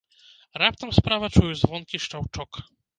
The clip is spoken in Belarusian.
Раптам справа чую звонкі шчаўчок.